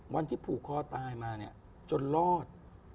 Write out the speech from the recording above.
วันที่ผูกคลอดตายมาจนรอด